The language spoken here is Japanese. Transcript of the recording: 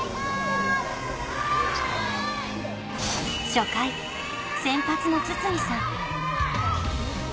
初回先発の堤さん